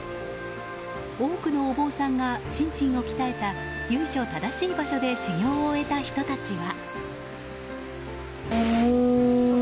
多くのお坊さんが心身を鍛えた由緒正しい場所で修行を終えた人たちは。